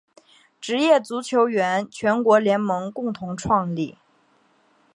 职业足球员全国联盟共同创立。